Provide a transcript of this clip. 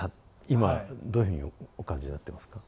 今どういうふうにお感じになってますか？